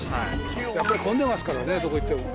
やっぱり混んでますからね、どこ行っても。